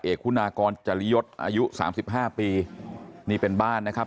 คุณากรจริยศอายุสามสิบห้าปีนี่เป็นบ้านนะครับ